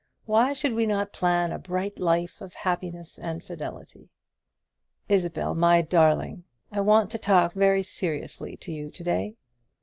why should we not plan a bright life of happiness and fidelity? Isabel, my darling, I want to talk very seriously to you to day.